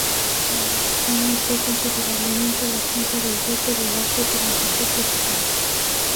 Manuel Azaña usó considerablemente la Quinta del Duque del Arco durante su presidencia.